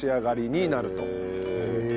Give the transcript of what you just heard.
へえ。